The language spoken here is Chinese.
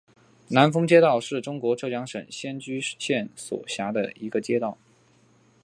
南峰街道是中国浙江省仙居县所辖的一个街道。